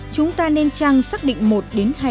chúng ta nên trang xác định một đến hai thị trường điểm một năm